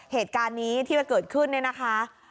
เหตุการณ์นี้ที่มันเกิดขึ้นเนี่ยนะคะ